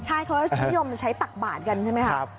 ใช่เขาจะนิยมใช้ตักบาทกันใช่ไหมครับ